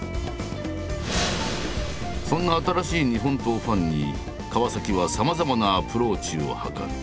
そんな新しい日本刀ファンに川はさまざまなアプローチを図る。